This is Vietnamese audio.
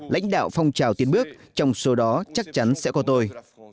lãnh đạo phong trào tiến bước trong số đó chắc chắn sẽ có tôi